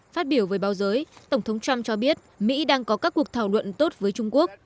phát biểu với báo giới tổng thống trump cho biết mỹ đang có các cuộc thảo luận tốt với trung quốc